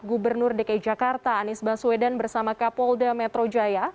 gubernur dki jakarta anies baswedan bersama kapolda metro jaya